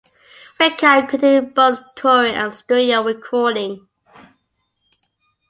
Rickard continued both touring and studio recording.